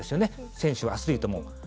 選手は、アスリートも。